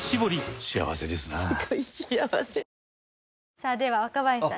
さあでは若林さん